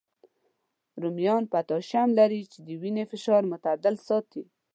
رومیان پوتاشیم لري، چې د وینې فشار معتدل ساتي